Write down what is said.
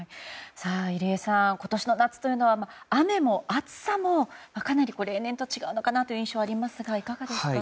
入江さん、今年の夏は雨も暑さもかなり例年と違う印象がありますがいかがですか？